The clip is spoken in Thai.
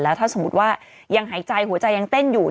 ถ้าสมมุติว่ายังหายใจหัวใจยังเต้นอยู่